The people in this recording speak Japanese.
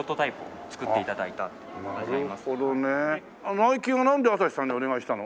ナイキはなんでアサヒさんにお願いしたの？